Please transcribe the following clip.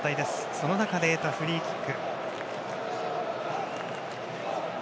その中で得たフリーキック。